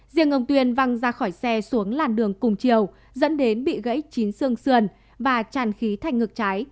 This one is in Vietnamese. diện ngồng tuyên văng ra khỏi xe xuống làn đường cùng chiều dẫn đến bị gãy chín xương xườn và tràn khí thanh ngược trái